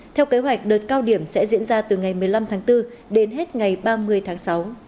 theo kế hoạch đợt cao điểm sẽ diễn ra từ ngày một mươi năm tháng bốn đến hết ngày ba mươi tháng sáu